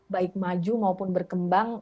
baik maju maupun berkembang